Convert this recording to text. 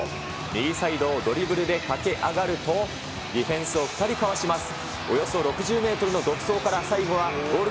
右サイドをドリブルで駆け上がると、ディフェンスを２人かわします。